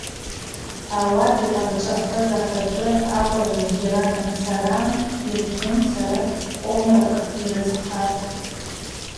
Ауат йкъарчӏвахыз афачӏвы акӏважва зджьара данцара йырфумцара къомракӏ йрызхъатӏ.